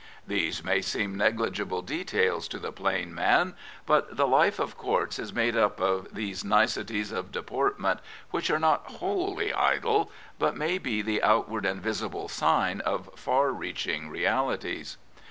They may seem neg ligible details to the plain man; but the life of courts is made up of these niceties of deportment, which are not wholly idle, but may be the outward and visible sign of far reaching realties.